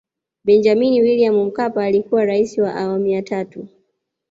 Benjamini Wiliam Mkapa alikuwa Raisi wa awamu ya tatu